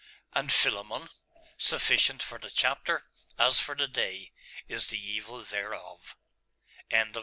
And Philammon?.... Sufficient for the chapter, as for the day, is the evil thereof.